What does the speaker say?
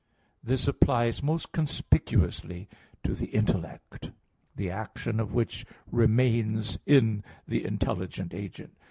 This applies most conspicuously to the intellect, the action of which remains in the intelligent agent.